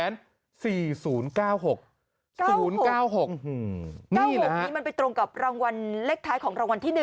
๙แบบนี้มันไปตรงกับรางวัลเลขท้ายของรางวัลที่๑